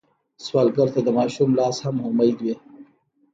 سوالګر ته د ماشوم لاس هم امید وي